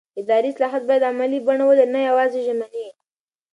اداري اصلاحات باید عملي بڼه ولري نه یوازې ژمنې